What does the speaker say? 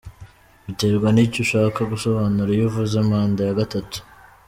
Biterwa n’icyo ushaka gusobanura iyo uvuze manda ya gatatu.